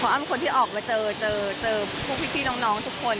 อ้ำเป็นคนที่ออกมาเจอเจอพวกพี่น้องทุกคน